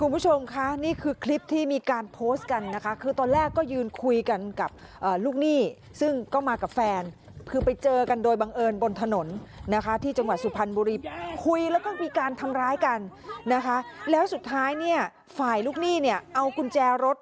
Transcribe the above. พี่เจ้าพี่มาเชิญหนุ่ยแย่